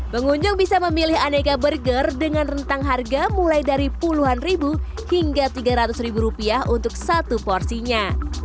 pengunjung bisa memilih aneka burger dengan rentang harga mulai dari puluhan ribu hingga tiga ratus ribu rupiah untuk satu porsinya